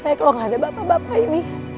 ih kalau ga adariersus